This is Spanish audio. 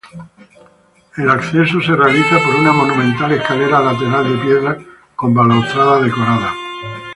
El acceso se realiza por una monumental escalera lateral de piedra con balaustrada decorada.